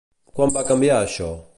Quan va canviar això?